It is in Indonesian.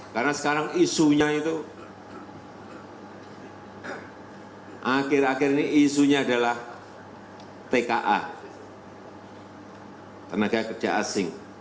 karena sekarang isunya itu akhir akhir ini isunya adalah tka tenaga kerja asing